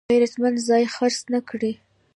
غیرتمند ځان خرڅ نه کړي